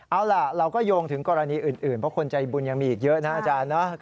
เอาล่ะเราก็โยงถึงกรณีอื่นเพราะคนใจบุญยังมีอีกเยอะนะอาจารย์นะ